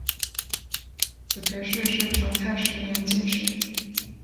子裴栻是成泰十年进士。